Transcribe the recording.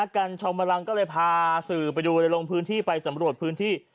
กันชมพลังก็เลยพาสื่อไปดูเลยลงพื้นที่ไปสำรวจพื้นที่